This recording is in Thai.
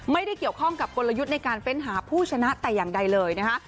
ไม่ได้เกี่ยวข้องกับกลยุทธ์ในการเฟ้นหาผู้ชนะแต่อย่างใดเลยนะคะ